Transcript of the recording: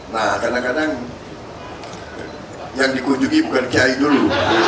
nah kadang kadang yang dikunjungi bukan kiai dulu